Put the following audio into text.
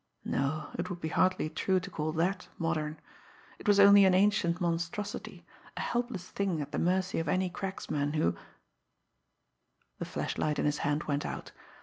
No, it would be hardly true to call that modern; it was only an ancient monstrosity, a helpless thing at the mercy of any cracksman who The flashlight in his hand went out.